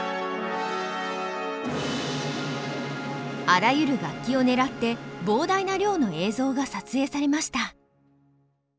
あらゆる楽器を狙って膨大な量の映像が撮影されました。